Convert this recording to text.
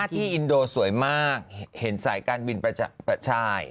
ที่อินโดสวยมากเห็นสายการบินประชาย